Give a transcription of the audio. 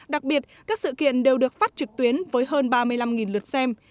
đặc biệt các sự kiện đều được phát trực tuyến với hơn ba mươi năm lượt xem